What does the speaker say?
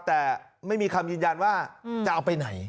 แต่ไม่มีคำยืนยันว่าจะเอาไปไหน